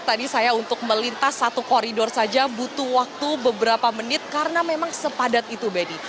tadi saya untuk melintas satu koridor saja butuh waktu beberapa menit karena memang sepadat itu benny